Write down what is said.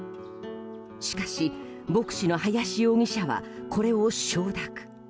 しかし、牧師の林容疑者はこれを承諾。